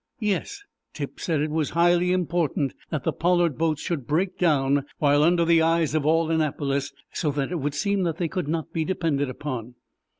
"Yes. Tip said it was highly important that the Pollard boats should break down while under the eyes of all Annapolis, so that it would seem that they could not be depended upon."